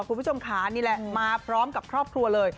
คุณผู้ชมค่ะนี่แหละมาพร้อมกับครอบครัวเลย